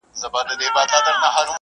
ته ولي سبا ته فکر کوې،